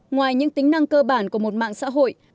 ngoài những tính năng cơ bản của một mạng xã hội